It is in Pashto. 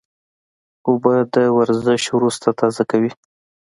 اوبه د ورزش وروسته تازه کوي